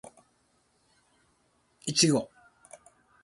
いちご